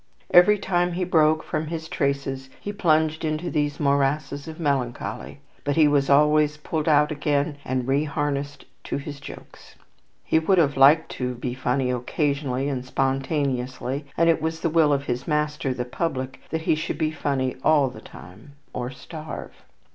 Every time he broke from his traces, he plunged into these morasses of melancholy; but he was always pulled out again, and reharnessed to his jokes. He would have liked to be funny occasionally and spontaneously, and it was the will of his master, the public, that he should be funny all the time, or starve.